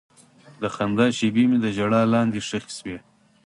د خندا شېبې مې د ژړا لاندې ښخې شوې.